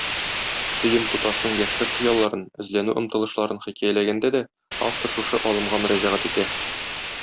Сөем туташның яшьлек хыялларын, эзләнү-омтылышларын хикәяләгәндә дә автор шушы алымга мөрәҗәгать итә.